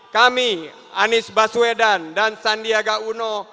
kami anies baswedan dan sandiaga uno